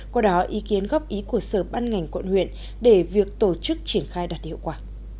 qua đó ý kiến góp ý của sở ban ngành quận huyện để việc tổ chức triển khai đạt hiệu quả